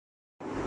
ہیتی